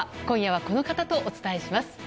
今夜は、この方とお伝えします。